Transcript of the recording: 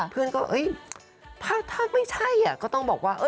เพื่อนก็ถ้าไม่ใช่ก็ต้องบอกว่า